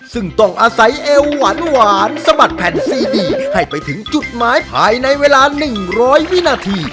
ซึ่งต้องอาศัยเอวหวานสะบัดแผ่นซีดีให้ไปถึงจุดหมายภายในเวลา๑๐๐วินาที